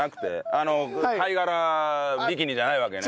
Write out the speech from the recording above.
あの貝殻ビキニじゃないわけね。